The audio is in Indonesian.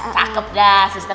cakep dah suster